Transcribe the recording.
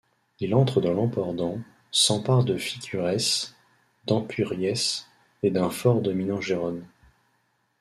Il entre dans l'Empordan, s'empare de Figueres, d'Empúries et d'un fort dominant Gérone.